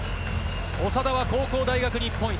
長田は高校・大学で日本一。